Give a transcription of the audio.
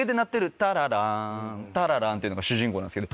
タラランタラランっていうのが主人公なんですけど。